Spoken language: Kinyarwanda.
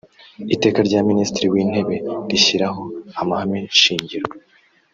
iteka rya minisitiri w’intebe rishyiraho amahame shingiro